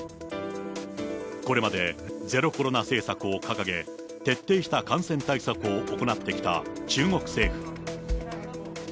これまでゼロコロナ政策を掲げ、徹底した感染対策を行ってきた中国政府。